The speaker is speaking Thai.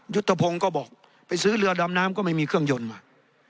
ยุทธพงศ์ก็บอกไปซื้อเรือดำน้ำก็ไม่มีเครื่องยนต์มา